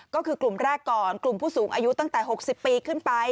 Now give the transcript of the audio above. ก็คือกลุ่มแรกก่อนกลุ่มผู้สูงอายุตั้งแต่๖๐ปีขึ้นไป